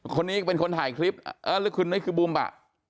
คนนี้เป็นคนถ่ายคลิปคือบูมบะ